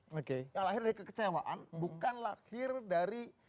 oke yang lahir dari kekecewaan bukan lahir dari